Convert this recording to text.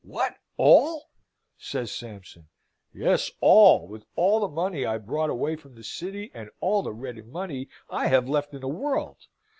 "What, all?" says Sampson. "Yes, all, with all the money I brought away from the city, and all the ready money I have left in the world.